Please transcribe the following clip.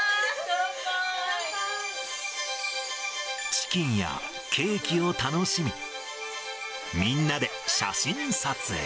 チキンやケーキを楽しみ、みんなで写真撮影。